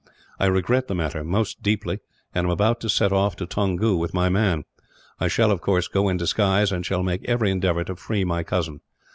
I regret the matter, most deeply; and am about to set off to Toungoo, with my man. I shall, of course, go in disguise; and shall make every endeavour to free my cousin.